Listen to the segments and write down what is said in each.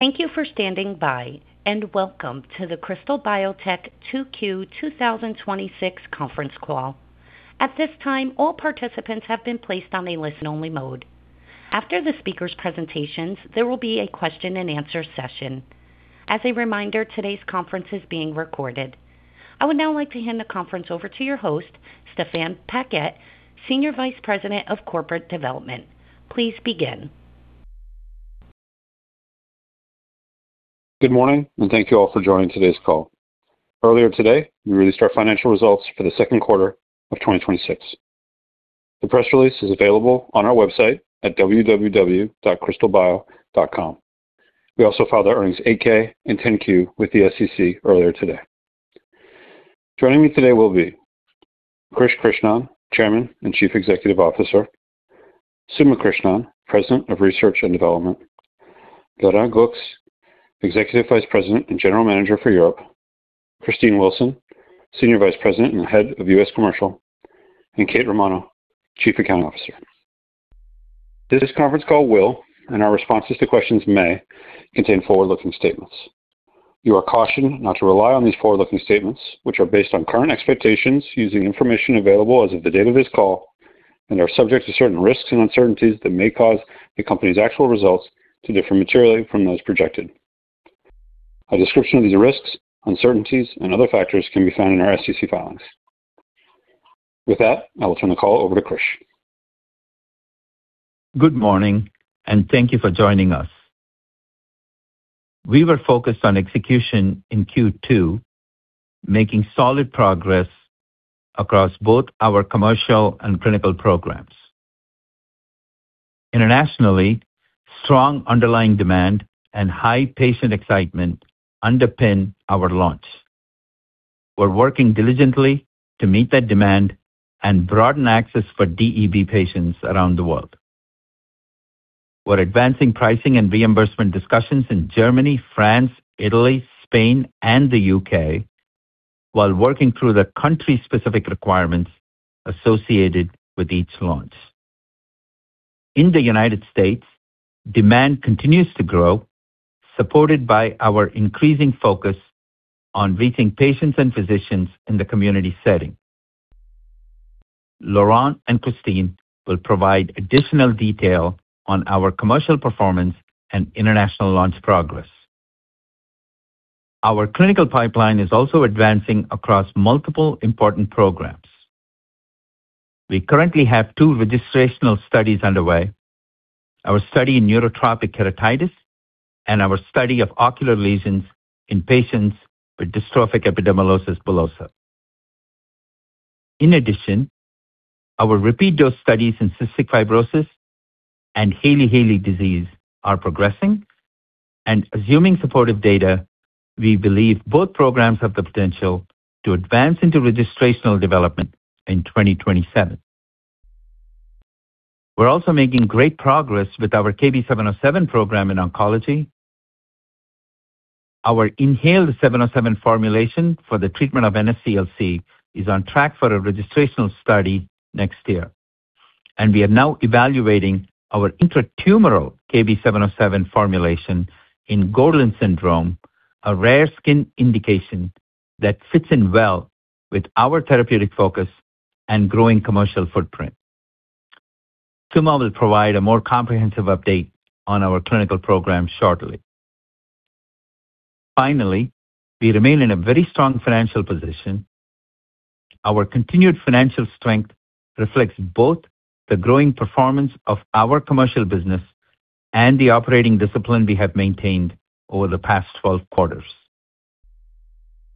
Thank you for standing by, and welcome to the Krystal Biotech 2Q 2026 conference call. At this time, all participants have been placed on a listen-only mode. After the speakers' presentations, there will be a question-and-answer session. As a reminder, today's conference is being recorded. I would now like to hand the conference over to your host, Stéphane Paquette, Senior Vice President of Corporate Development. Please begin. Good morning. Thank you all for joining today's call. Earlier today, we released our financial results for the second quarter of 2026. The press release is available on our website at www.krystalbio.com. We also filed our earnings 8-K and 10-Q with the SEC earlier today. Joining me today will be Krish Krishnan, Chairman and Chief Executive Officer, Suma Krishnan, President of Research and Development, Laurent Goux, Executive Vice President and General Manager for Europe, Christine Wilson, Senior Vice President and Head of U.S. Commercial, and Kate Romano, Chief Accounting Officer. This conference call will, in our responses to questions, may contain forward-looking statements. You are cautioned not to rely on these forward-looking statements, which are based on current expectations using information available as of the date of this call and are subject to certain risks and uncertainties that may cause the company's actual results to differ materially from those projected. A description of these risks, uncertainties, and other factors can be found in our SEC filings. With that, I will turn the call over to Krish. Good morning. Thank you for joining us. We were focused on execution in Q2, making solid progress across both our commercial and clinical programs. Internationally, strong underlying demand and high patient excitement underpin our launch. We're working diligently to meet that demand and broaden access for DEB patients around the world. We're advancing pricing and reimbursement discussions in Germany, France, Italy, Spain, and the U.K. while working through the country-specific requirements associated with each launch. In the United States, demand continues to grow, supported by our increasing focus on reaching patients and physicians in the community setting. Laurent and Christine will provide additional detail on our commercial performance and international launch progress. Our clinical pipeline is also advancing across multiple important programs. We currently have two registrational studies underway, our study in neurotrophic keratitis and our study of ocular lesions in patients with dystrophic epidermolysis bullosa. In addition, our repeat dose studies in cystic fibrosis and Hailey-Hailey disease are progressing, and assuming supportive data, we believe both programs have the potential to advance into registrational development in 2027. We are also making great progress with our KB707 program in oncology. Our inhaled 707 formulation for the treatment of NSCLC is on track for a registrational study next year. We are now evaluating our intratumoral KB707 formulation in Gorlin syndrome, a rare skin indication that fits in well with our therapeutic focus and growing commercial footprint. Suma will provide a more comprehensive update on our clinical program shortly. Finally, we remain in a very strong financial position. Our continued financial strength reflects both the growing performance of our commercial business and the operating discipline we have maintained over the past 12 quarters.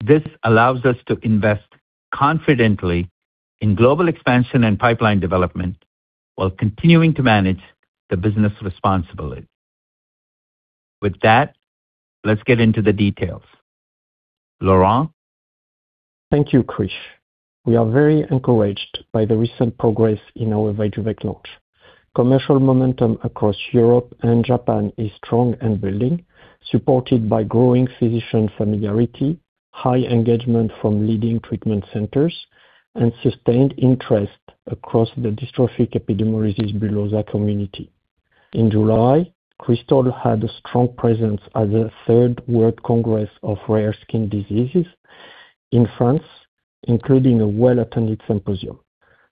This allows us to invest confidently in global expansion and pipeline development while continuing to manage the business responsibly. With that, let's get into the details. Laurent? Thank you, Krish. We are very encouraged by the recent progress in our VYJUVEK launch. Commercial momentum across Europe and Japan is strong and building, supported by growing physician familiarity, high engagement from leading treatment centers, and sustained interest across the dystrophic epidermolysis bullosa community. In July, Krystal had a strong presence at the Third World Congress of Rare Skin Diseases in France, including a well-attended symposium.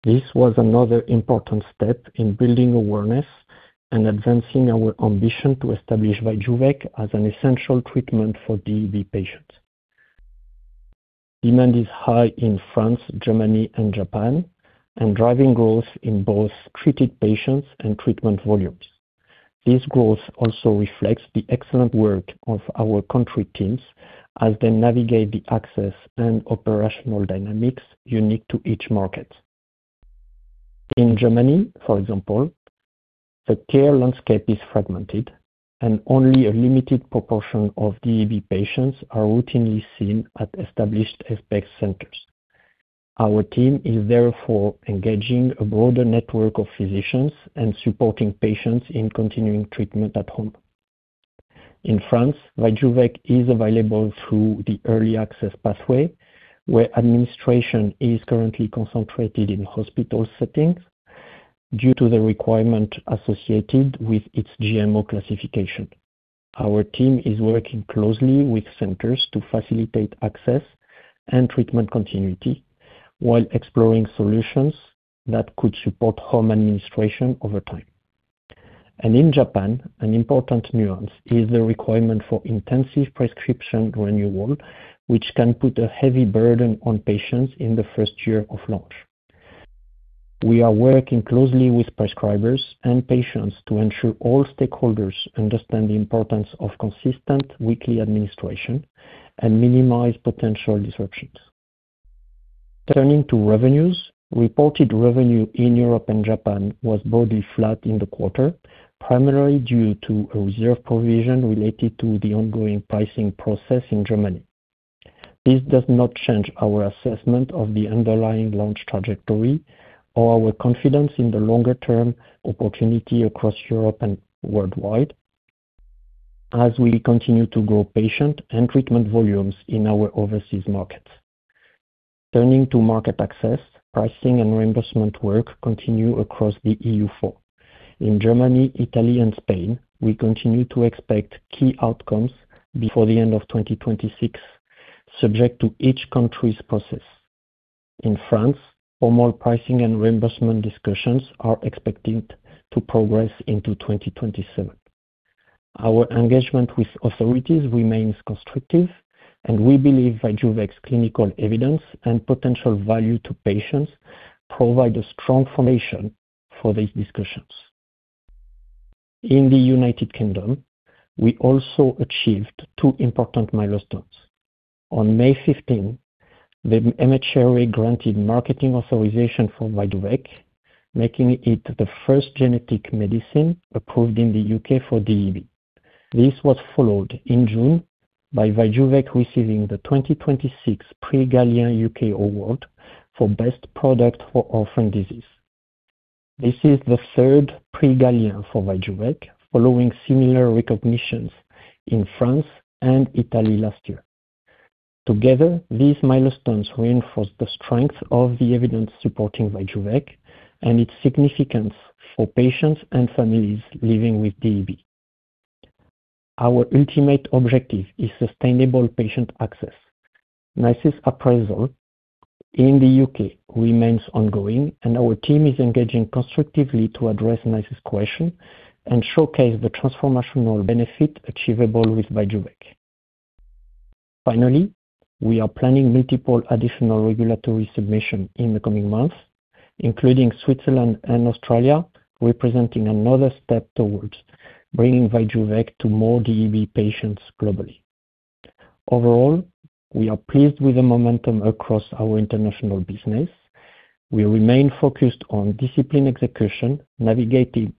This was another important step in building awareness and advancing our ambition to establish VYJUVEK as an essential treatment for DEB patients. Demand is high in France, Germany, and Japan and driving growth in both treated patients and treatment volumes. This growth also reflects the excellent work of our country teams as they navigate the access and operational dynamics unique to each market. In Germany, for example, the care landscape is fragmented and only a limited proportion of DEB patients are routinely seen at established EB centers. Our team is therefore engaging a broader network of physicians and supporting patients in continuing treatment at home. In France, VYJUVEK is available through the early access pathway, where administration is currently concentrated in hospital settings due to the requirement associated with its GMO classification. Our team is working closely with centers to facilitate access and treatment continuity while exploring solutions that could support home administration over time. In Japan, an important nuance is the requirement for intensive prescription renewal, which can put a heavy burden on patients in the first year of launch. We are working closely with prescribers and patients to ensure all stakeholders understand the importance of consistent weekly administration and minimize potential disruptions. Turning to revenues, reported revenue in Europe and Japan was broadly flat in the quarter, primarily due to a reserve provision related to the ongoing pricing process in Germany. This does not change our assessment of the underlying launch trajectory or our confidence in the longer-term opportunity across Europe and worldwide as we continue to grow patient and treatment volumes in our overseas markets. Turning to market access, pricing and reimbursement work continue across the EU4. In Germany, Italy, and Spain, we continue to expect key outcomes before the end of 2026, subject to each country's process. In France, formal pricing and reimbursement discussions are expected to progress into 2027. Our engagement with authorities remains constructive, and we believe VYJUVEK's clinical evidence and potential value to patients provide a strong foundation for these discussions. In the United Kingdom, we also achieved two important milestones. On May 15, the MHRA granted marketing authorization for VYJUVEK, making it the first genetic medicine approved in the U.K. for DEB. This was followed in June by VYJUVEK receiving the 2026 Prix Galien U.K. award for best product for orphan disease. This is the third Prix Galien for VYJUVEK, following similar recognitions in France and Italy last year. Together, these milestones reinforce the strength of the evidence supporting VYJUVEK and its significance for patients and families living with DEB. Our ultimate objective is sustainable patient access. NICE's appraisal in the U.K. remains ongoing, and our team is engaging constructively to address NICE's question and showcase the transformational benefit achievable with VYJUVEK. Finally, we are planning multiple additional regulatory submission in the coming months, including Switzerland and Australia, representing another step towards bringing VYJUVEK to more DEB patients globally. Overall, we are pleased with the momentum across our international business. We remain focused on discipline execution, navigating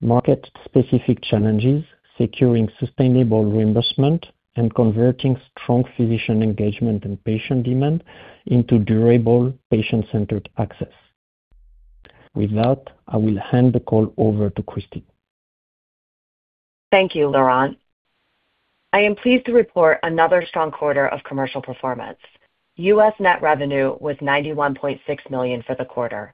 market-specific challenges, securing sustainable reimbursement, and converting strong physician engagement and patient demand into durable patient-centered access. With that, I will hand the call over to Christine. Thank you, Laurent. I am pleased to report another strong quarter of commercial performance. U.S. net revenue was $91.6 million for the quarter.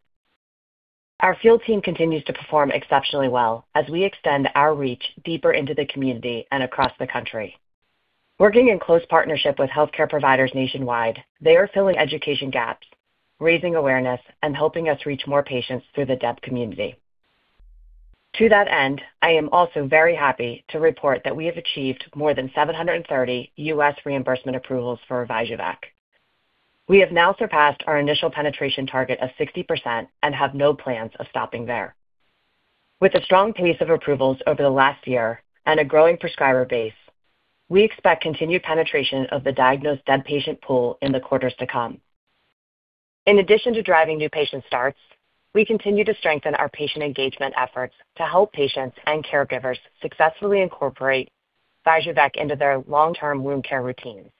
Our field team continues to perform exceptionally well as we extend our reach deeper into the community and across the country. Working in close partnership with healthcare providers nationwide, they are filling education gaps, raising awareness, and helping us reach more patients through the DEB community. To that end, I am also very happy to report that we have achieved more than 730 U.S. reimbursement approvals for VYJUVEK. We have now surpassed our initial penetration target of 60% and have no plans of stopping there. With a strong pace of approvals over the last year and a growing prescriber base, we expect continued penetration of the diagnosed DEB patient pool in the quarters to come. In addition to driving new patient starts, we continue to strengthen our patient engagement efforts to help patients and caregivers successfully incorporate VYJUVEK into their long-term wound care routines.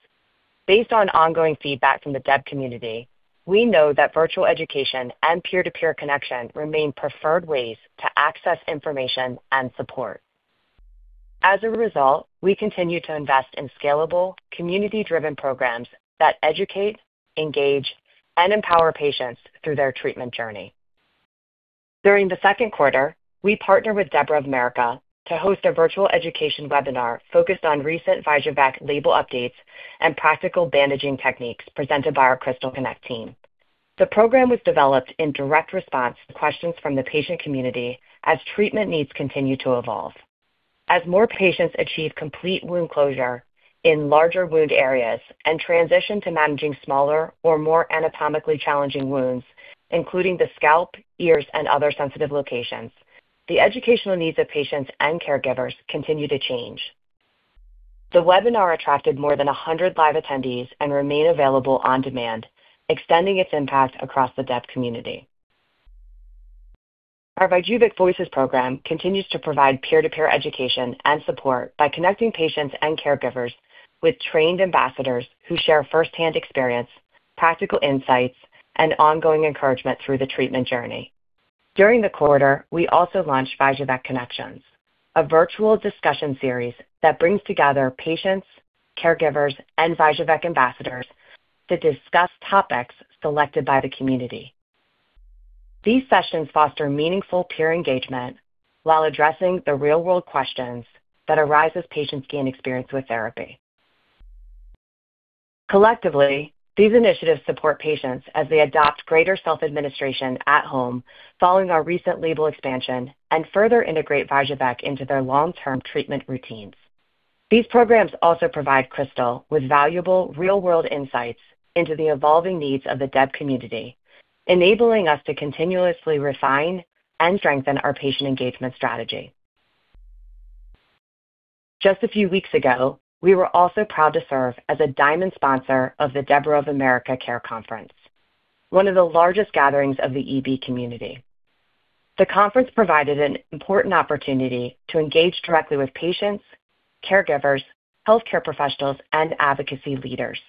Based on ongoing feedback from the DEB community, we know that virtual education and peer-to-peer connection remain preferred ways to access information and support. As a result, we continue to invest in scalable, community-driven programs that educate, engage, and empower patients through their treatment journey. During the second quarter, we partnered with debra of America to host a virtual education webinar focused on recent VYJUVEK label updates and practical bandaging techniques presented by our Krystal Connect team. The program was developed in direct response to questions from the patient community as treatment needs continue to evolve. As more patients achieve complete wound closure in larger wound areas and transition to managing smaller or more anatomically challenging wounds, including the scalp, ears, and other sensitive locations, the educational needs of patients and caregivers continue to change. The webinar attracted more than 100 live attendees and remain available on demand, extending its impact across the DEB community. Our VYJUVEK Voices program continues to provide peer-to-peer education and support by connecting patients and caregivers with trained ambassadors who share firsthand experience, practical insights, and ongoing encouragement through the treatment journey. During the quarter, we also launched VYJUVEK Connections, a virtual discussion series that brings together patients caregivers, and VYJUVEK ambassadors to discuss topics selected by the community. These sessions foster meaningful peer engagement while addressing the real-world questions that arise as patients gain experience with therapy. Collectively, these initiatives support patients as they adopt greater self-administration at home following our recent label expansion and further integrate VYJUVEK into their long-term treatment routines. These programs also provide Krystal with valuable real-world insights into the evolving needs of the DEB community, enabling us to continuously refine and strengthen our patient engagement strategy. Just a few weeks ago, we were also proud to serve as a diamond sponsor of the debra of America Care Conference, one of the largest gatherings of the EB community. The conference provided an important opportunity to engage directly with patients, caregivers, healthcare professionals, and advocacy leaders.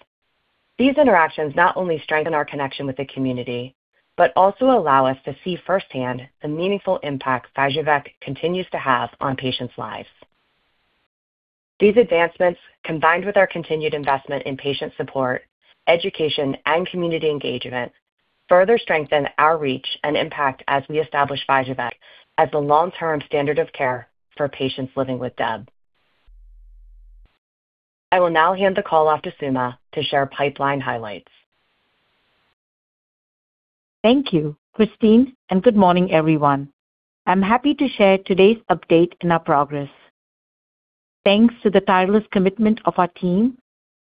These interactions not only strengthen our connection with the community but also allow us to see firsthand the meaningful impact VYJUVEK continues to have on patients' lives. These advancements, combined with our continued investment in patient support, education, and community engagement, further strengthen our reach and impact as we establish VYJUVEK as the long-term standard of care for patients living with DEB. I will now hand the call off to Suma to share pipeline highlights. Thank you, Christine, good morning, everyone. I'm happy to share today's update and our progress. Thanks to the tireless commitment of our team,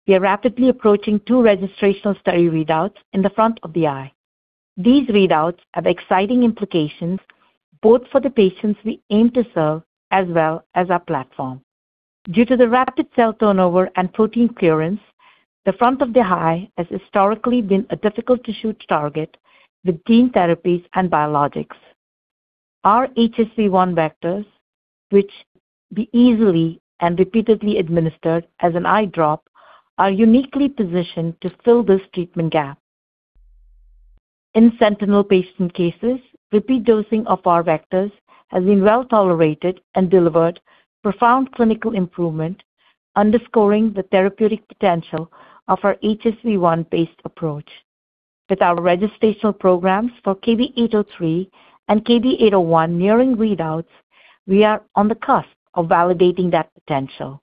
we are rapidly approaching two registrational study readouts in the front of the eye. These readouts have exciting implications both for the patients we aim to serve as well as our platform. Due to the rapid cell turnover and protein clearance, the front of the eye has historically been a difficult to shoot target with gene therapies and biologics. Our HSV-1 vectors, which we easily and repeatedly administered as an eye drop, are uniquely positioned to fill this treatment gap. In sentinel patient cases, repeat dosing of our vectors has been well-tolerated and delivered profound clinical improvement, underscoring the therapeutic potential of our HSV1-based approach. With our registrational programs for KB803 and KB801 nearing readouts, we are on the cusp of validating that potential.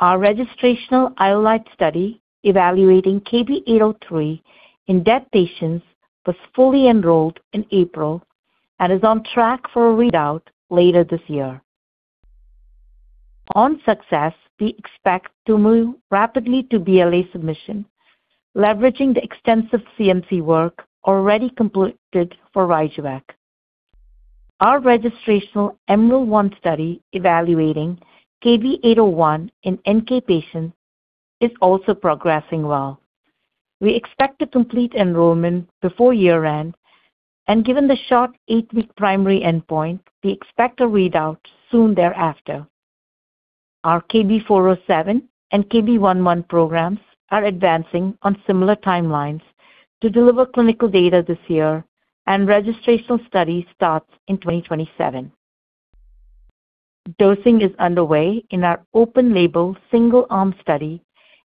Our registrational IOLITE study evaluating KB803 in DEB patients was fully enrolled in April and is on track for a readout later this year. On success, we expect to move rapidly to BLA submission, leveraging the extensive CMC work already completed for VYJUVEK. Our registrational EMERALD-1 study evaluating KB801 in NK patients is also progressing well. We expect to complete enrollment before year-end, given the short eight-week primary endpoint, we expect a readout soon thereafter. Our KB407 and KB111 programs are advancing on similar timelines to deliver clinical data this year and registrational study starts in 2027. Dosing is underway in our open-label single-arm study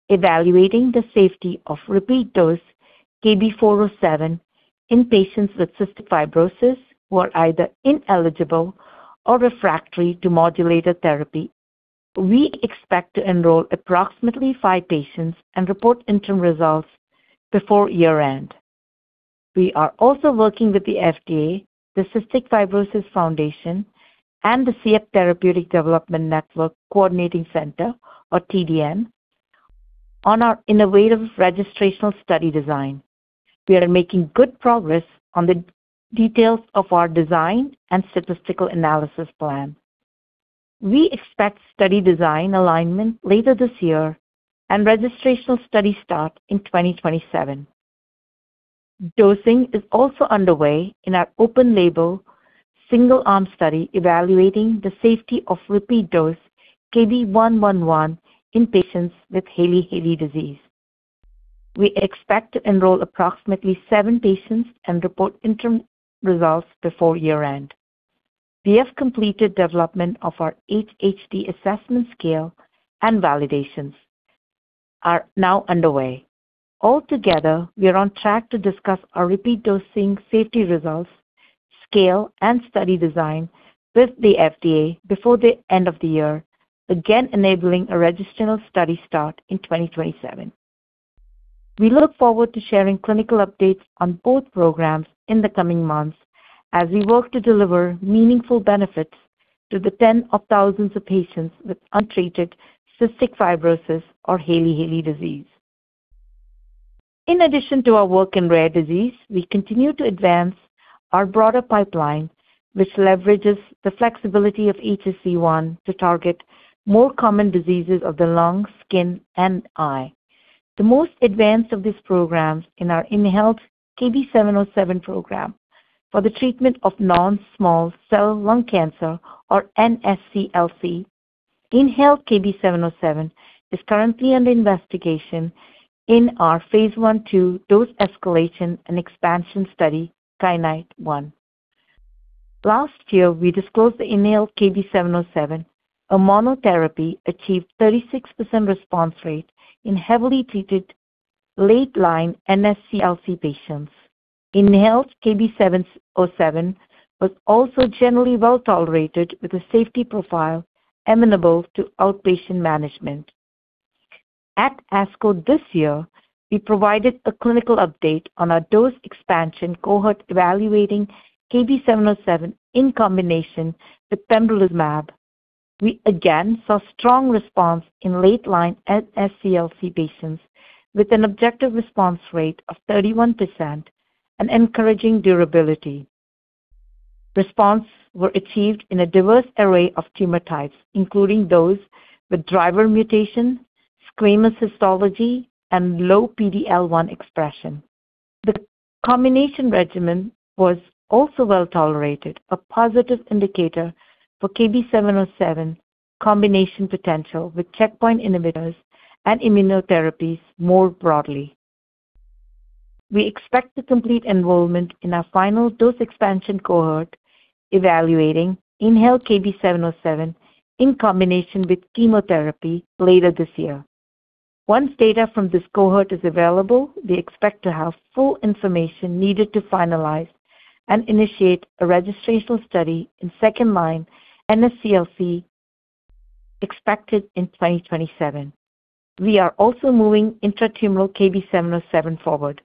evaluating the safety of repeat-dose KB407 in patients with cystic fibrosis who are either ineligible or refractory to modulator therapy. We expect to enroll approximately five patients and report interim results before year-end. We are also working with the FDA, the Cystic Fibrosis Foundation, and the CF Therapeutics Development Network Coordinating Center, or TDN, on our innovative registrational study design. We are making good progress on the details of our design and statistical analysis plan. We expect study design alignment later this year and registrational study start in 2027. Dosing is also underway in our open-label single-arm study evaluating the safety of repeat-dose KB111 in patients with Hailey-Hailey disease. We expect to enroll approximately seven patients and report interim results before year-end. We have completed development of our HHD assessment scale, validations are now underway. Altogether, we are on track to discuss our repeat dosing safety results, scale, and study design with the FDA before the end of the year, again, enabling a registrational study start in 2027. We look forward to sharing clinical updates on both programs in the coming months as we work to deliver meaningful benefits to the 10 of thousands of patients with untreated cystic fibrosis or Hailey-Hailey disease. In addition to our work in rare disease, we continue to advance our broader pipeline, which leverages the flexibility of HSV-1 to target more common diseases of the lung, skin, and eye. The most advanced of these programs is our inhaled KB707 program for the treatment of non-small cell lung cancer, or NSCLC. Inhaled KB707 is currently under investigation in our phase I/II dose escalation and expansion study, KYANITE-1. Last year, we disclosed the inhaled KB707, a monotherapy achieved 36% response rate in heavily treated late-line NSCLC patients. Inhaled KB707 was also generally well-tolerated, with a safety profile amenable to outpatient management. At ASCO this year, we provided a clinical update on our dose expansion cohort evaluating KB707 in combination with pembrolizumab. We again saw strong response in late-line NSCLC patients with an objective response rate of 31%, an encouraging durability. Response were achieved in a diverse array of tumor types, including those with driver mutation, squamous histology, and low PD-L1 expression. The combination regimen was also well-tolerated, a positive indicator for KB707 combination potential with checkpoint inhibitors and immunotherapies more broadly. We expect to complete enrollment in our final dose expansion cohort evaluating inhaled KB707 in combination with chemotherapy later this year. Once data from this cohort is available, we expect to have full information needed to finalize and initiate a registrational study in second-line NSCLC, expected in 2027. We are also moving intratumoral KB707 forward.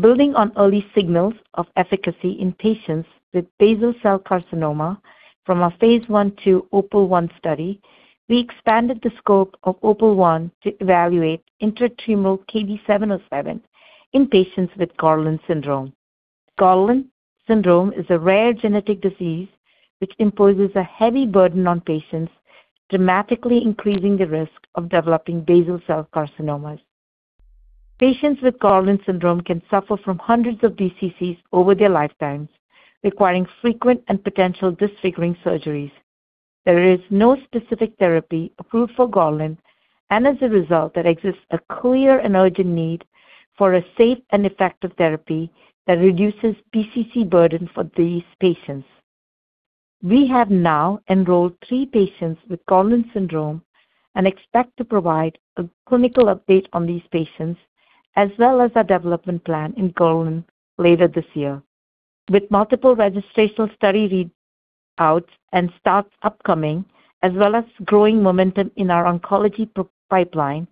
Building on early signals of efficacy in patients with basal cell carcinoma from our phase I/II OPAL-1 study, we expanded the scope of OPAL-1 to evaluate intratumoral KB707 in patients with Gorlin syndrome. Gorlin syndrome is a rare genetic disease which imposes a heavy burden on patients, dramatically increasing the risk of developing basal cell carcinomas. Patients with Gorlin syndrome can suffer from hundreds of BCCs over their lifetimes, requiring frequent and potential disfiguring surgeries. There is no specific therapy approved for Gorlin, and as a result, there exists a clear and urgent need for a safe and effective therapy that reduces BCC burden for these patients. We have now enrolled three patients with Gorlin syndrome and expect to provide a clinical update on these patients, as well as our development plan in Gorlin later this year. With multiple registrational study readouts and starts upcoming, as well as growing momentum in our oncology pipeline,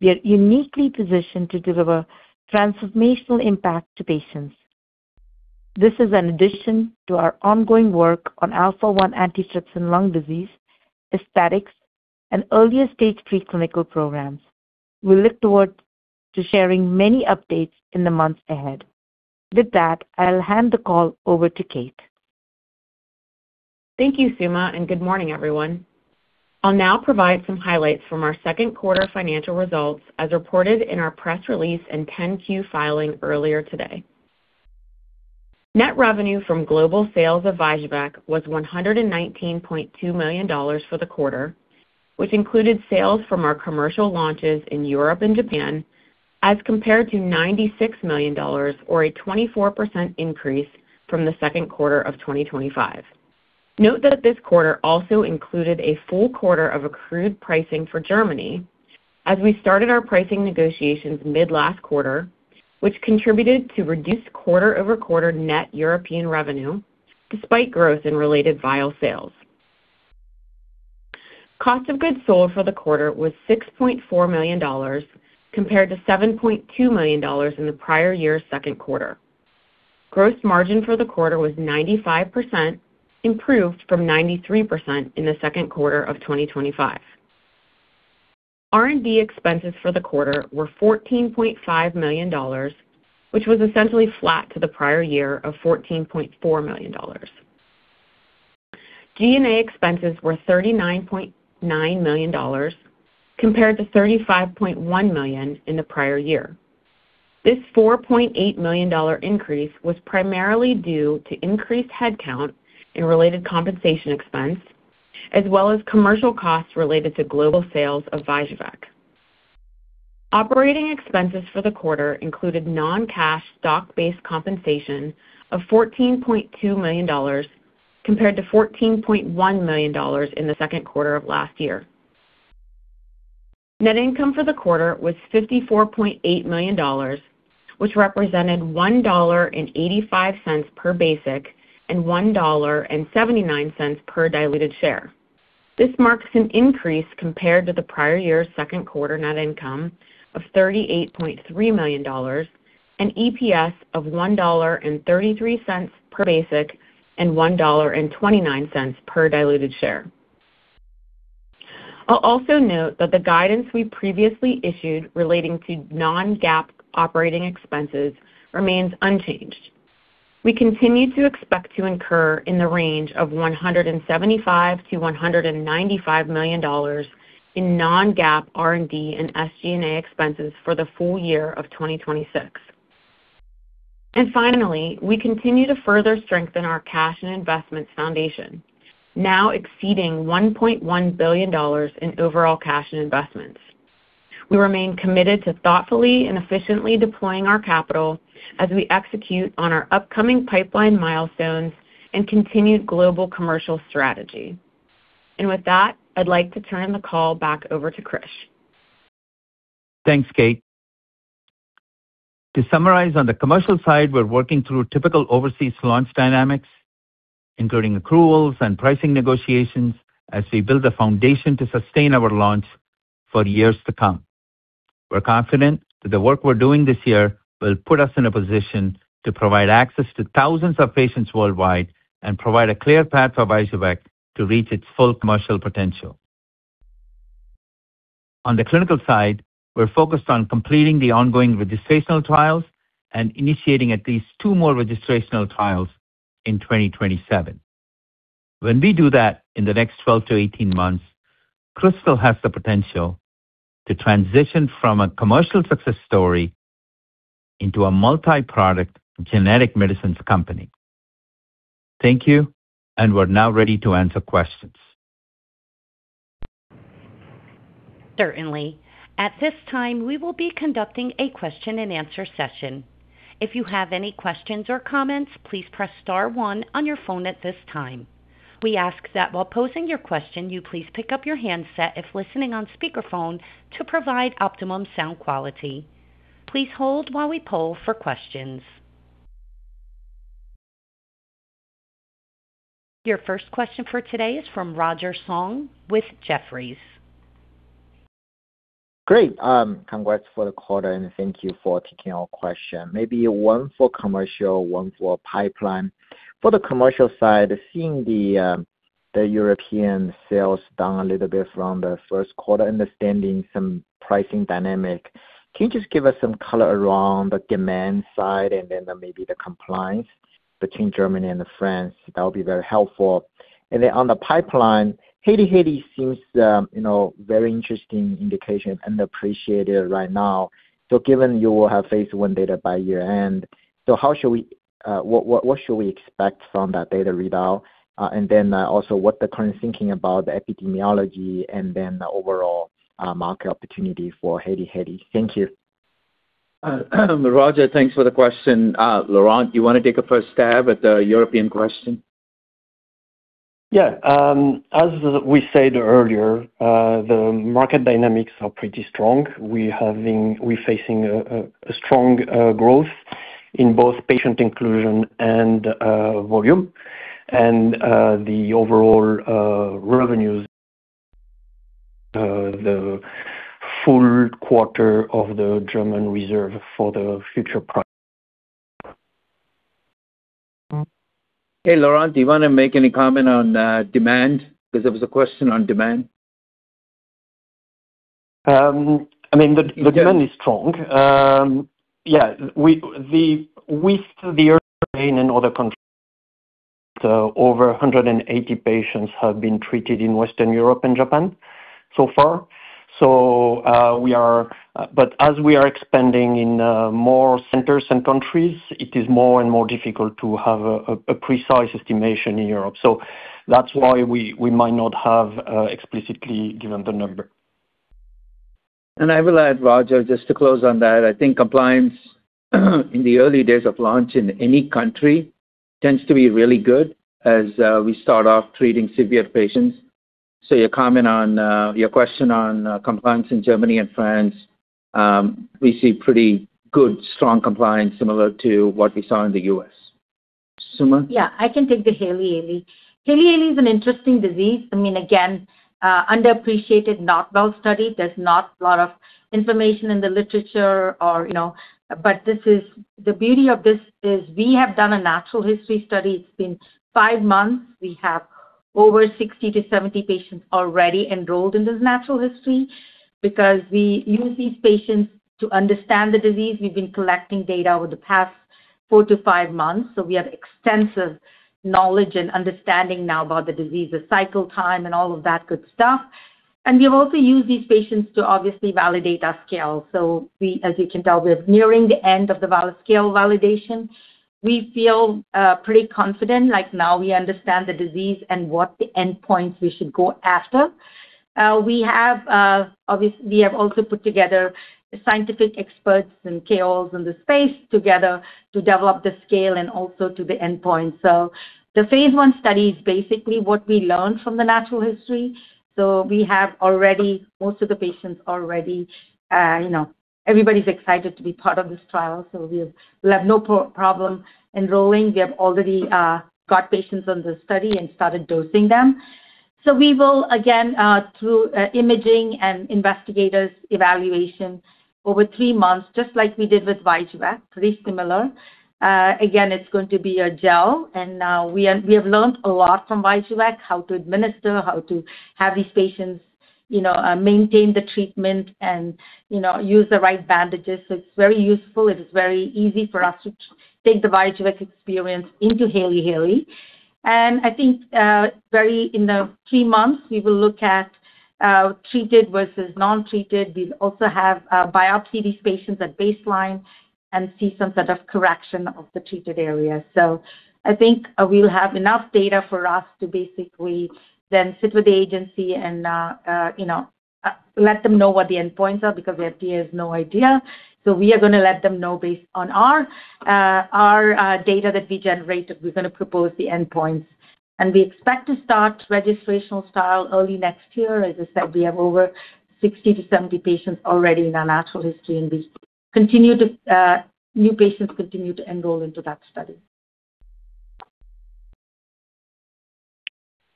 we are uniquely positioned to deliver transformational impact to patients. This is an addition to our ongoing work on alpha-1 antitrypsin lung disease, aesthetics, and earlier stage preclinical programs. We look towards to sharing many updates in the months ahead. With that, I'll hand the call over to Kate. Thank you, Suma, and good morning, everyone. I'll now provide some highlights from our second quarter financial results as reported in our press release and 10-Q filing earlier today. Net revenue from global sales of VYJUVEK was $119.2 million for the quarter, which included sales from our commercial launches in Europe and Japan as compared to $96 million or a 24% increase from the second quarter of 2025. Note that this quarter also included a full quarter of accrued pricing for Germany as we started our pricing negotiations mid-last quarter, which contributed to reduced quarter-over-quarter net European revenue despite growth in related vial sales. Cost of goods sold for the quarter was $6.4 million compared to $7.2 million in the prior year's second quarter. Gross margin for the quarter was 95%, improved from 93% in the second quarter of 2025. R&D expenses for the quarter were $14.5 million, which was essentially flat to the prior year of $14.4 million. G&A expenses were $39.9 million compared to $35.1 million in the prior year. This $4.8 million increase was primarily due to increased headcount and related compensation expense, as well as commercial costs related to global sales of VYJUVEK. Operating expenses for the quarter included non-cash stock-based compensation of $14.2 million, compared to $14.1 million in the second quarter of last year. Net income for the quarter was $54.8 million, which represented $1.85 per basic and $1.79 per diluted share. This marks an increase compared to the prior year's second quarter net income of $38.3 million and EPS of $1.33 per basic and $1.29 per diluted share. I will also note that the guidance we previously issued relating to non-GAAP operating expenses remains unchanged. We continue to expect to incur in the range of $175 million-$195 million in non-GAAP R&D and SG&A expenses for the full-year of 2026. Finally, we continue to further strengthen our cash and investments foundation, now exceeding $1.1 billion in overall cash and investments. We remain committed to thoughtfully and efficiently deploying our capital as we execute on our upcoming pipeline milestones and continued global commercial strategy. With that, I would like to turn the call back over to Krish. Thanks, Kate. To summarize, on the commercial side, we are working through typical overseas launch dynamics, including accruals and pricing negotiations, as we build a foundation to sustain our launch for years to come. We are confident that the work we are doing this year will put us in a position to provide access to thousands of patients worldwide and provide a clear path for VYJUVEK to reach its full commercial potential. On the clinical side, we are focused on completing the ongoing registrational trials and initiating at least two more registrational trials in 2027. When we do that in the next 12 to 18 months, Krystal has the potential to transition from a commercial success story into a multi-product, genetic medicines company. Thank you, and we are now ready to answer questions. Certainly. At this time, we will be conducting a question-and-answer session. If you have any questions or comments, please press star one on your phone at this time. We ask that while posing your question, you please pick up your handset if listening on speakerphone to provide optimum sound quality. Please hold while we poll for questions. Your first question for today is from Roger Song with Jefferies. Great. Congrats for the quarter. Thank you for taking our question. Maybe one for commercial, one for pipeline. For the commercial side, seeing the European sales down a little bit from the first quarter, understanding some pricing dynamic, can you just give us some color around the demand side, then maybe the compliance between Germany and France? That would be very helpful. On the pipeline, Hailey-Hailey seems very interesting indication underappreciated right now. Given you will have phase I data by year-end, what should we expect from that data readout? Also what the current thinking about the epidemiology, then the overall market opportunity for Hailey-Hailey. Thank you. Roger, thanks for the question. Laurent, do you want to take a first stab at the European question? As we said earlier, the market dynamics are pretty strong. We're facing a strong growth in both patient inclusion and volume and the overall revenues, the full quarter of the German reserve for the future price. Hey, Laurent, do you want to make any comment on demand? There was a question on demand. The demand is strong. With Europe and other countries, over 180 patients have been treated in Western Europe and Japan so far. As we are expanding in more centers and countries, it is more and more difficult to have a precise estimation in Europe. That's why we might not have explicitly given the number. I will add, Roger, just to close on that, I think compliance in the early days of launch in any country tends to be really good as we start off treating severe patients. Your question on compliance in Germany and France, we see pretty good, strong compliance, similar to what we saw in the U.S.. Suma? Yeah, I can take the Hailey-Hailey. Hailey-Hailey is an interesting disease. Again, underappreciated, not well-studied. There's not a lot of information in the literature. The beauty of this is we have done a natural history study. It's been five months. We have over 60 to 70 patients already enrolled in this natural history because we use these patients to understand the disease. We've been collecting data over the past four to five months, so we have extensive knowledge and understanding now about the disease, the cycle time and all of that good stuff. We've also used these patients to obviously validate our scale. As you can tell, we're nearing the end of the scale validation. We feel pretty confident, like now we understand the disease and what the endpoints we should go after. We have also put together scientific experts and KOLs in the space together to develop the scale and also to the endpoint. The phase I study is basically what we learned from the natural history. Most of the patients already, everybody's excited to be part of this trial. We have no problem enrolling. We have already got patients on the study and started dosing them. We will, again, through imaging and investigators evaluation over three months, just like we did with VYJUVEK, pretty similar. Again, it's going to be a gel. We have learned a lot from VYJUVEK, how to administer, how to have these patients maintain the treatment and use the right bandages. It's very useful. It is very easy for us to take the VYJUVEK experience into Hailey-Hailey. I think in the three months, we will look at treated versus non-treated. We'll also biopsy these patients at baseline and see some sort of correction of the treated area. I think we'll have enough data for us to basically then sit with the agency and let them know what the endpoints are, because the FDA has no idea. We are going to let them know based on our data that we generated. We're going to propose the endpoints. We expect to start registrational style early next year. As I said, we have over 60 to 70 patients already in our natural history, and new patients continue to enroll into that study.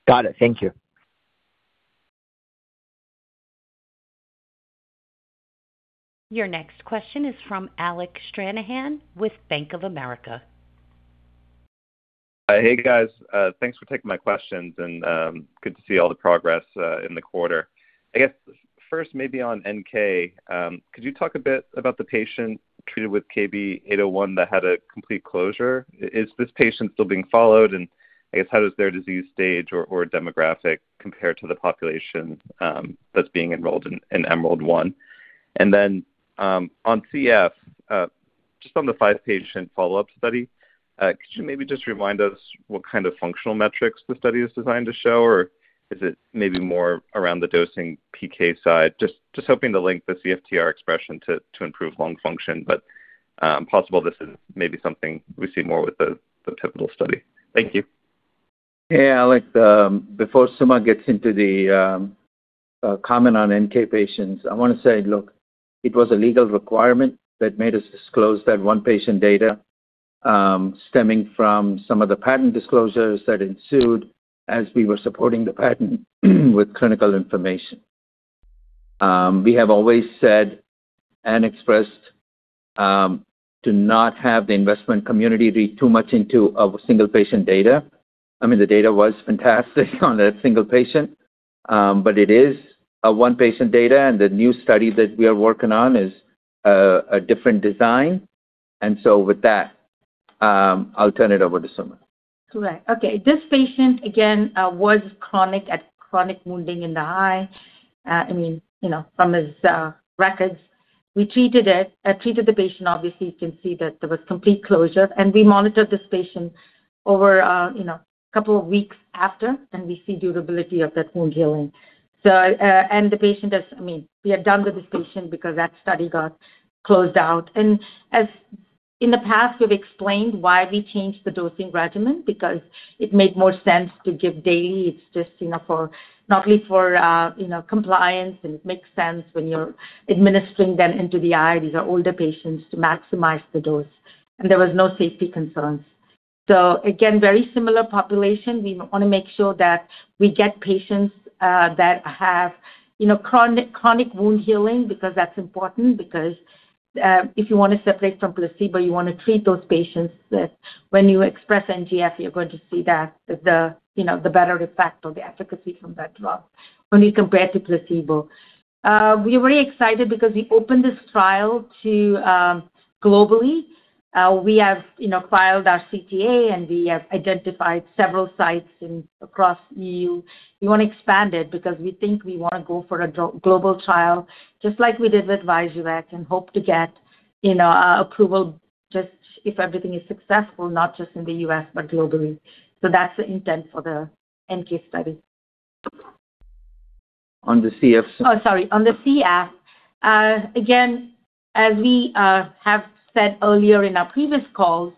Got it. Thank you. Your next question is from Alec Stranahan with Bank of America. Hey, guys. Thanks for taking my questions and good to see all the progress in the quarter. I guess first maybe on NK, could you talk a bit about the patient treated with KB801 that had a complete closure? Is this patient still being followed, and I guess how does their disease stage or demographic compare to the population that's being enrolled in EMERALD-1? Then, on CF, just on the five-patient follow-up study, could you maybe just remind us what kind of functional metrics the study is designed to show? Or is it maybe more around the dosing PK side? Just hoping to link the CFTR expression to improved lung function, but possible this is maybe something we see more with the pivotal study. Thank you. Alec, before Suma gets into the comment on NK patients, I want to say, look, it was a legal requirement that made us disclose that one patient data, stemming from some of the patent disclosures that ensued as we were supporting the patent with clinical information. We have always said and expressed to not have the investment community read too much into a single patient data. I mean, the data was fantastic on that single patient. It is a one-patient data, and the new study that we are working on is a different design. With that, I'll turn it over to Suma. Correct. Okay. This patient, again, was chronic wounding in the eye from his records. We treated the patient, obviously, you can see that there was complete closure, and we monitored this patient over a couple of weeks after, and we see durability of that wound healing. We are done with this patient because that study got closed out. As in the past, we've explained why we changed the dosing regimen, because it made more sense to give daily. It's just not only for compliance and it makes sense when you're administering them into the eye, these are older patients, to maximize the dose. There was no safety concerns. Again, very similar population. We want to make sure that we get patients that have chronic wound healing, because that's important, because if you want to separate from placebo, you want to treat those patients that when you express NGF, you're going to see the better effect or the efficacy from that drug when you compare to placebo. We are very excited because we opened this trial globally. We have filed our CTA, and we have identified several sites across EU. We want to expand it because we think we want to go for a global trial, just like we did with VYJUVEK, and hope to get approval just if everything is successful, not just in the U.S., but globally. That's the intent for the NK study. On the CF- Oh, sorry. On the CF, again, as we have said earlier in our previous calls,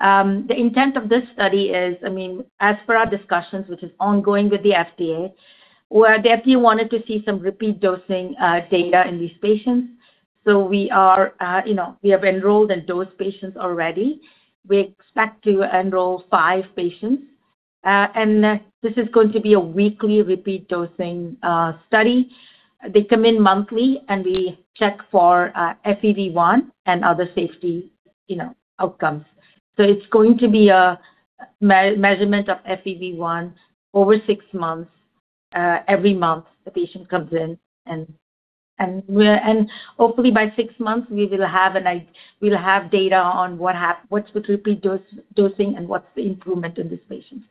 the intent of this study is, as per our discussions, which is ongoing with the FDA, where the FDA wanted to see some repeat dosing data in these patients. We have enrolled and dosed patients already. We expect to enroll five patients. This is going to be a weekly repeat dosing study. They come in monthly, and we check for FEV1 and other safety outcomes. It's going to be a measurement of FEV1 over six months. Every month, the patient comes in, and hopefully by six months, we'll have data on what's with repeat dosing and what's the improvement in these patients.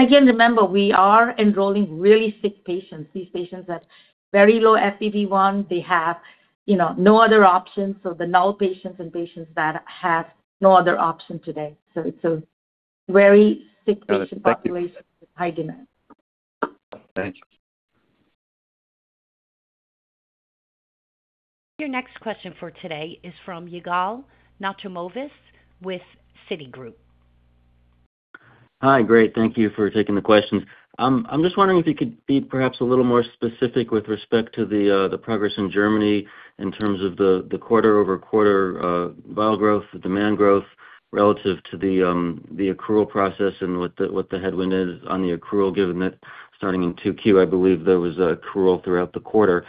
Again, remember, we are enrolling really sick patients. These patients have very low FEV1. They have no other options. The null patients and patients that have no other option today. It's a very sick patient population. That was. With high demand. Thank you. Your next question for today is from Yigal Nochomovitz with Citigroup. Hi. Great. Thank you for taking the questions. I'm just wondering if you could be perhaps a little more specific with respect to the progress in Germany in terms of the quarter-over-quarter vial growth, the demand growth relative to the accrual process and what the headwind is on the accrual, given that starting in 2Q, I believe there was accrual throughout the quarter.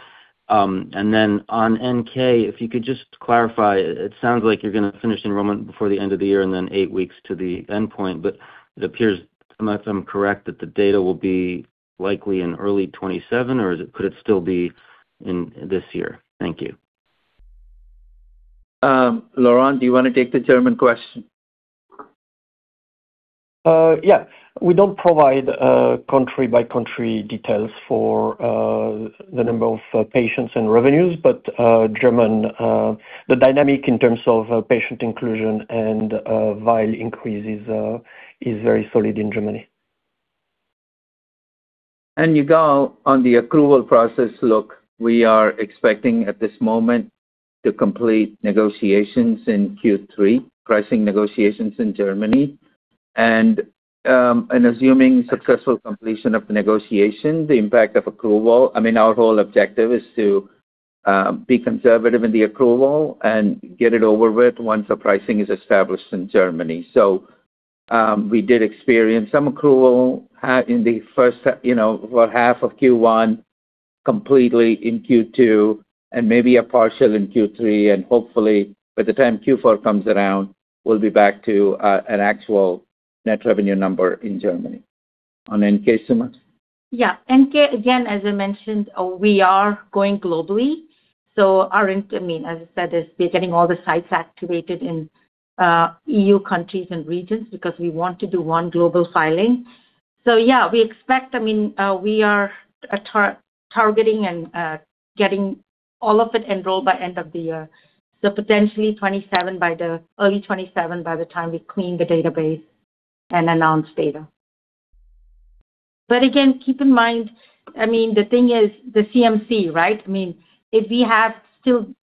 Then on NK, if you could just clarify, it sounds like you're going to finish enrollment before the end of the year and then eight weeks to the endpoint, it appears, unless I'm correct, that the data will be likely in early 2027 or could it still be in this year? Thank you. Laurent, do you want to take the German question? We don't provide country-by-country details for the number of patients and revenues, but the dynamic in terms of patient inclusion and vial increases is very solid in Germany. You go on the accrual process. We are expecting at this moment to complete negotiations in Q3, pricing negotiations in Germany, assuming successful completion of the negotiation, the impact of accrual. Our whole objective is to be conservative in the accrual and get it over with once the pricing is established in Germany. We did experience some accrual in the first half of Q1, completely in Q2, maybe a partial in Q3. Hopefully by the time Q4 comes around, we'll be back to an actual net revenue number in Germany. On NK, Suma? NK, again, as I mentioned, we are going globally. As I said, we're getting all the sites activated in EU countries and regions because we want to do one global filing. We are targeting and getting all of it enrolled by end of the year. Potentially early 2027 by the time we clean the database and announce data. Again, keep in mind, the thing is the CMC, right?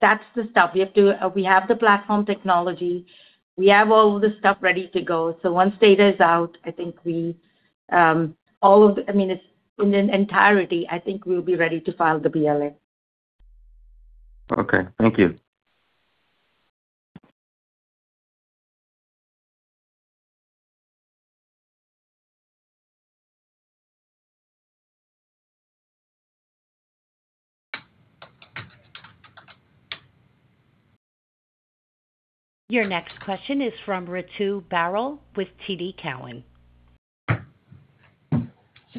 That's the stuff. We have the platform technology. We have all the stuff ready to go. Once data is out, in its entirety, I think we'll be ready to file the BLA. Okay. Thank you. Your next question is from Ritu Baral with TD Cowen.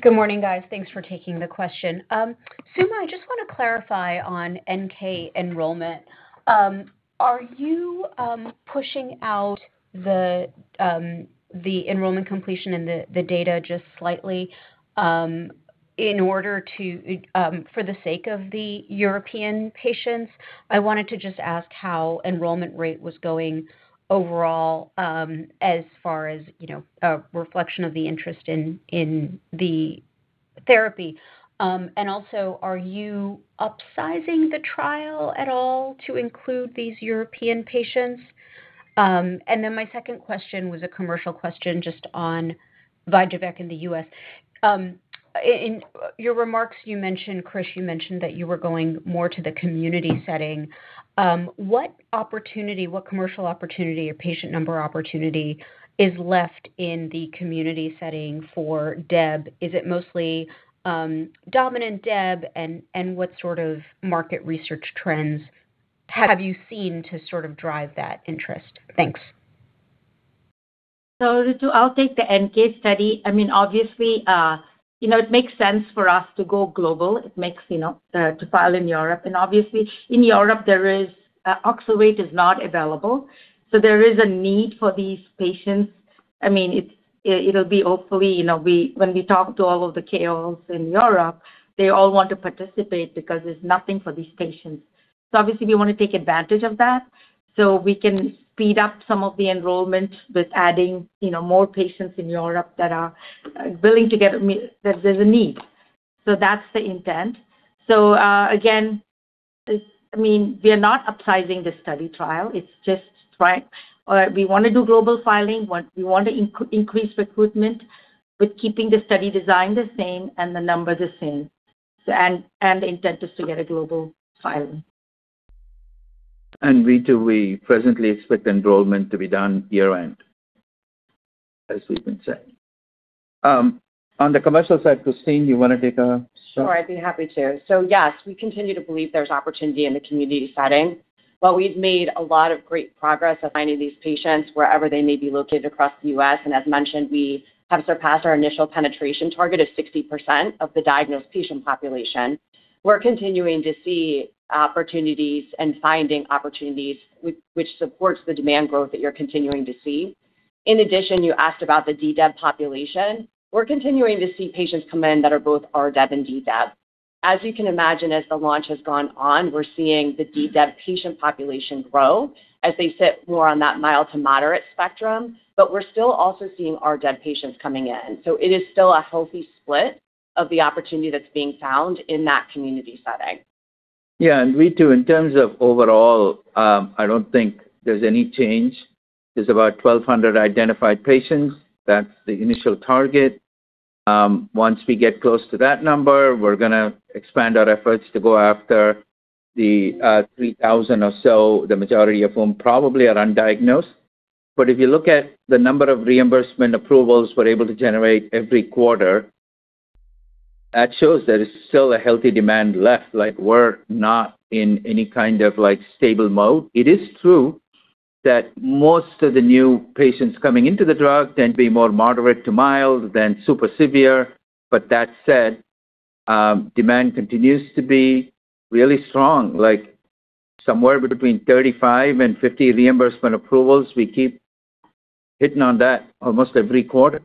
Good morning, guys. Thanks for taking the question. Suma, I just want to clarify on NK enrollment. Are you pushing out the enrollment completion and the data just slightly for the sake of the European patients? I wanted to just ask how enrollment rate was going overall, as far as a reflection of the interest in the therapy. Also, are you upsizing the trial at all to include these European patients? Then my second question was a commercial question just on VYJUVEK in the U.S. In your remarks, Krish, you mentioned that you were going more to the community setting. What commercial opportunity or patient number opportunity is left in the community setting for DEB? Is it mostly dominant DEB? And what sort of market research trends have you seen to sort of drive that interest? Thanks. Ritu, I'll take the NK study. Obviously, it makes sense for us to go global, to file in Europe. Obviously in Europe, Oxervate is not available, so there is a need for these patients. When we talk to all of the KOLs in Europe, they all want to participate because there's nothing for these patients. Obviously we want to take advantage of that so we can speed up some of the enrollment with adding more patients in Europe that are willing to get. There's a need. That's the intent. Again, we are not upsizing the study trial. We want to do global filing. We want to increase recruitment with keeping the study design the same and the numbers the same, the intent is to get a global filing. Ritu, we presently expect enrollment to be done year-end, as we've been saying. On the commercial side, Christine, you want to take a shot? Sure. I'd be happy to. Yes, we continue to believe there's opportunity in the community setting. We've made a lot of great progress of finding these patients wherever they may be located across the U.S.. As mentioned, we have surpassed our initial penetration target of 60% of the diagnosed patient population. We're continuing to see opportunities and finding opportunities which supports the demand growth that you're continuing to see. In addition, you asked about the DDEB population. We're continuing to see patients come in that are both RDEB and DDEB. As you can imagine, as the launch has gone on, we're seeing the DDEB patient population grow as they sit more on that mild-to moderate-spectrum. We're still also seeing RDEB patients coming in. It is still a healthy split of the opportunity that's being found in that community setting. Yeah. Ritu, in terms of overall, I don't think there's any change. There's about 1,200 identified patients. That's the initial target. Once we get close to that number, we're going to expand our efforts to go after the 3,000 or so, the majority of whom probably are undiagnosed. If you look at the number of reimbursement approvals we're able to generate every quarter, that shows there is still a healthy demand left. We're not in any kind of stable mode. It is true- That most of the new patients coming into the drug tend to be more moderate to mild than super severe. That said, demand continues to be really strong, somewhere between 35 and 50 reimbursement approvals. We keep hitting on that almost every quarter.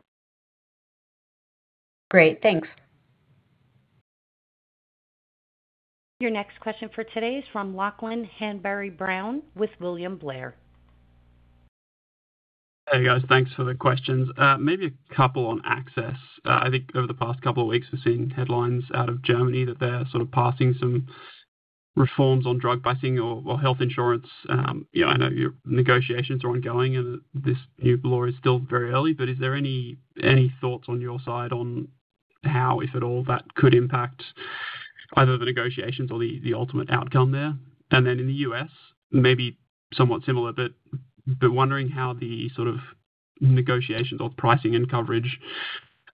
Great. Thanks. Your next question for today is from Lachlan Hanbury-Brown with William Blair. Hey, guys. Thanks for the questions. Maybe a couple on access. I think over the past couple of weeks, we've seen headlines out of Germany that they're sort of passing some reforms on drug pricing or health insurance. I know your negotiations are ongoing, and this new law is still very early, but is there any thoughts on your side on how, if at all, that could impact either the negotiations or the ultimate outcome there? Then in the U.S., maybe somewhat similar, but wondering how the sort of negotiations on pricing and coverage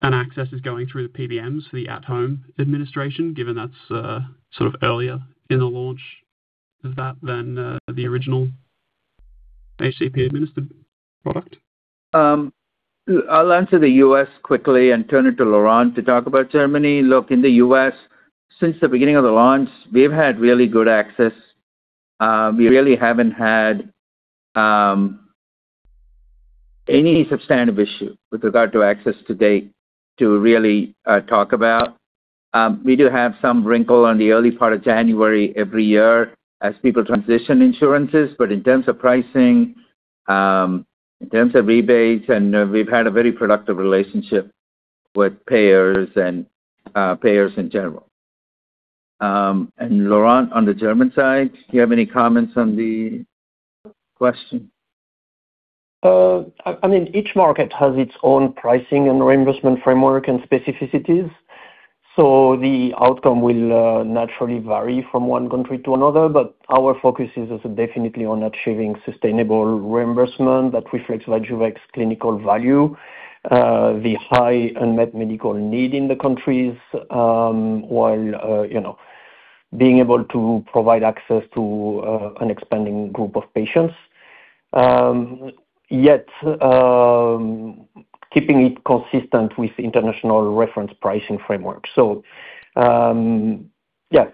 and access is going through the PBMs for the at-home administration, given that's sort of earlier in the launch of that than the original HCP-administered product. I'll answer the U.S. quickly and turn it to Laurent to talk about Germany. Look, in the U.S., since the beginning of the launch, we've had really good access. We really haven't had any substantive issue with regard to access to date to really talk about. We do have some wrinkle on the early part of January every year as people transition insurances. In terms of pricing, in terms of rebates, we've had a very productive relationship with payers and payers in general. Laurent, on the German side, do you have any comments on the question? Each market has its own pricing and reimbursement framework and specificities. The outcome will naturally vary from one country to another, but our focus is definitely on achieving sustainable reimbursement that reflects VYJUVEK's clinical value. The high unmet medical need in the countries, while being able to provide access to an expanding group of patients. Keeping it consistent with international reference pricing framework. Yeah,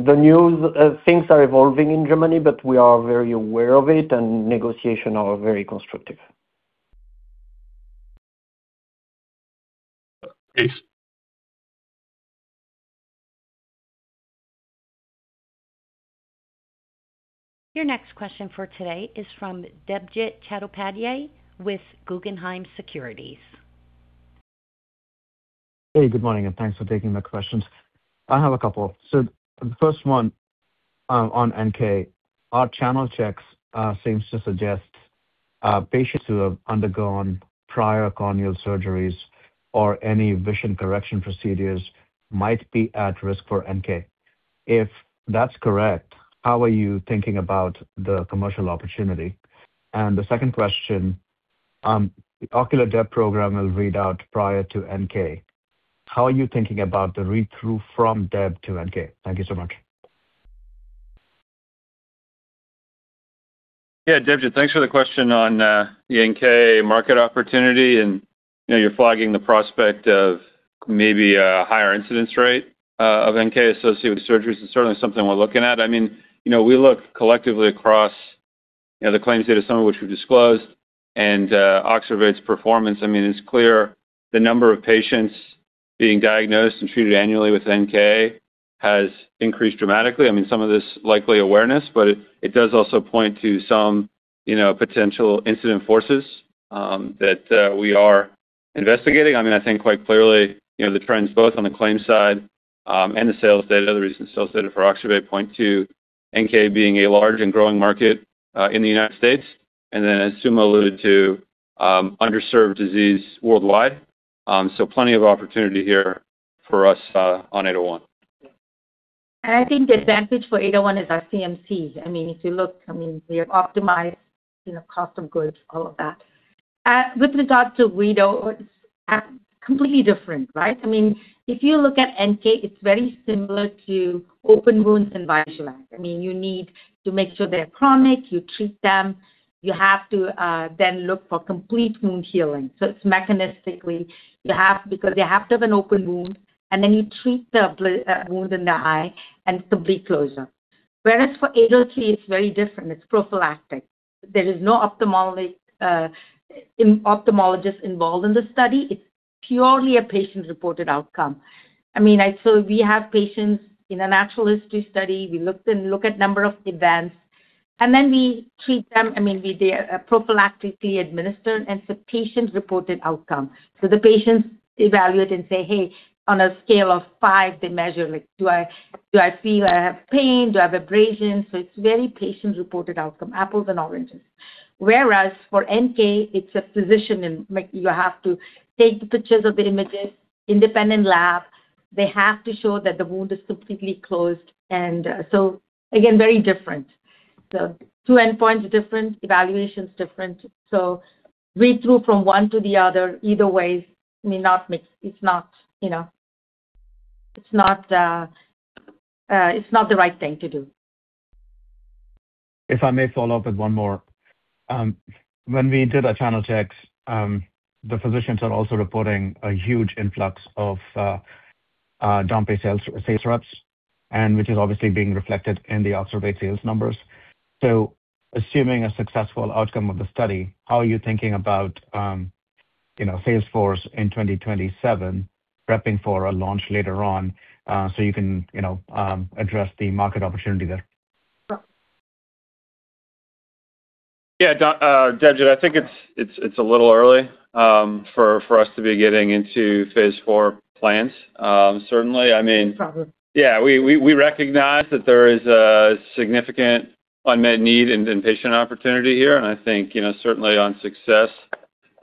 the new things are evolving in Germany, but we are very aware of it and negotiation are very constructive. Your next question for today is from Debjit Chattopadhyay with Guggenheim Securities. Hey, good morning, and thanks for taking my questions. I have a couple. The first one on NK. Our channel checks seems to suggest patients who have undergone prior corneal surgeries or any vision correction procedures might be at risk for NK. If that's correct, how are you thinking about the commercial opportunity? The second question, the ocular DEB program will read out prior to NK. How are you thinking about the read-through from DEB to NK? Thank you so much. Yeah, Debjit, thanks for the question on the NK market opportunity, and you're flagging the prospect of maybe a higher incidence rate of NK-associated surgeries. It's certainly something we're looking at. We look collectively across the claims data, some of which we've disclosed, and Oxervate's performance. It's clear the number of patients being diagnosed and treated annually with NK has increased dramatically. Some of this likely awareness, but it does also point to some potential incident forces that we are investigating. I think quite clearly, the trends both on the claims side and the sales data, the recent sales data for Oxervate point to NK being a large and growing market in the U.S. As Suma alluded to, underserved disease worldwide. Plenty of opportunity here for us on KB801. I think the advantage for KB801 is our CMCs. If you look, we have optimized cost of goods, all of that. With regards to read-ons, completely different, right? If you look at NK, it's very similar to open wounds and Vizylac. You need to make sure they're chronic, you treat them. You have to then look for complete wound healing. It's mechanistically, because they have to have an open wound, and then you treat the wound in the eye and complete closure. Whereas for KB803, it's very different. It's prophylactic. There is no ophthalmologist involved in the study. It's purely a patient-reported outcome. We have patients in a natural history study. We look at number of events, and then we treat them. They are prophylactically administered, and it's a patient-reported outcome. The patients evaluate and say, hey, on a scale of five, they measure like, do I feel I have pain? Do I have abrasions? It's very patient-reported outcome, apples and oranges. Whereas for NK, it's a physician, and you have to take the pictures of the images, independent lab. They have to show that the wound is completely closed. Again, very different. Two endpoints are different, evaluation's different. Read-through from one to the other, either way, it's not the right thing to do. If I may follow up with one more. When we did our channel checks, the physicians are also reporting a huge influx of Dompé sales or sales reps, which is obviously being reflected in the observed sales numbers. Assuming a successful outcome of the study, how are you thinking about sales force in 2027 prepping for a launch later on, so you can address the market opportunity there? Yeah. Debjit, I think it's a little early for us to be getting into phase IV plans. Certainly, we recognize that there is a significant unmet need and patient opportunity here, and I think certainly on success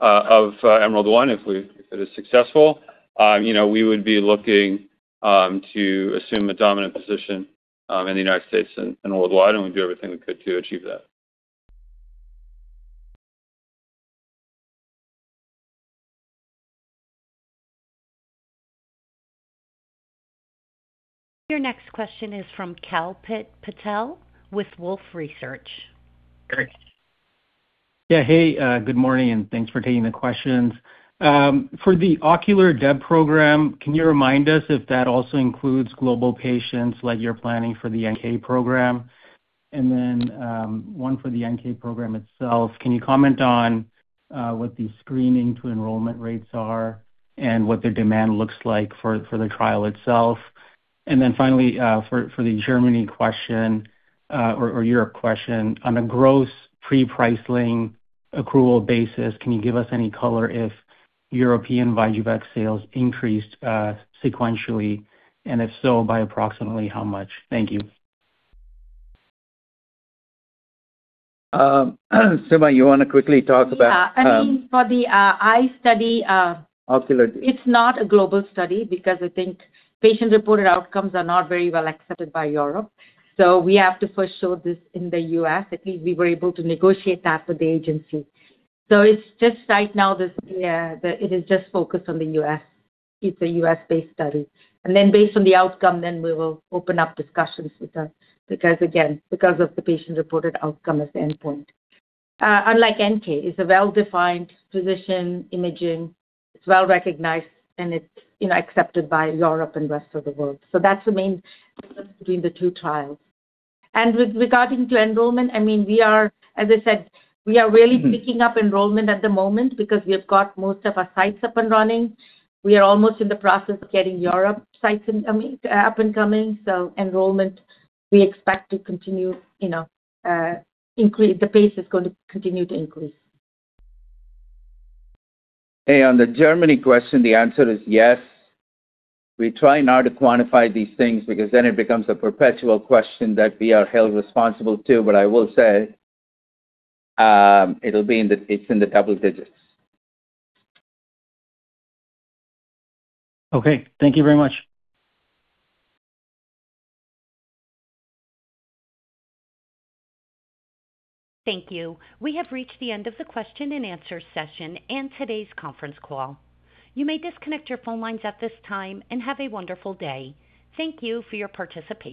of EMERALD-1, if it is successful, we would be looking to assume a dominant position in the United States and worldwide, and we'd do everything we could to achieve that. Your next question is from Kal Patel with Wolfe Research. Great. Hey, good morning, and thanks for taking the questions. For the ocular DEB program, can you remind us if that also includes global patients like you're planning for the NK program? One for the NK program itself. Can you comment on what the screening to enrollment rates are and what the demand looks like for the trial itself? Finally, for the Germany question or Europe question, on a gross pre-pricing accrual basis, can you give us any color if European VYJUVEK sales increased sequentially, and if so, by approximately how much? Thank you. Suma, you want to quickly talk about. For the eye study. Ocular it's not a global study because I think patient-reported outcomes are not very well accepted by Europe. We have to first show this in the U.S. At least we were able to negotiate that with the agency. It's just right now, it is just focused on the U.S.. It's a U.S.-based study. Based on the outcome, then we will open up discussions with them. Again, because of the patient-reported outcome as the endpoint. Unlike NK, it's a well-defined physician imaging. It's well-recognized, and it's accepted by Europe and rest of the world. That's the main difference between the two trials. Regarding to enrollment, as I said, we are really picking up enrollment at the moment because we have got most of our sites up and running. We are almost in the process of getting Europe sites up and coming, so enrollment, the pace is going to continue to increase. Hey, on the Germany question, the answer is yes. We try not to quantify these things because then it becomes a perpetual question that we are held responsible to. I will say, it's in the double-digits. Okay. Thank you very much. Thank you. We have reached the end of the question-and-answer session and today's conference call. You may disconnect your phone lines at this time and have a wonderful day. Thank you for your participation.